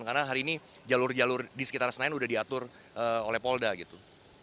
karena hari ini jalur jalur di sekitar senayan udah diatur oleh polda gitu